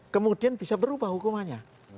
kemudian bisa berubah hukumannya